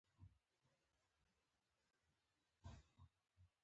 اریکا چینوت هم دا تایید کړه.